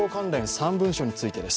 ３文書についてです。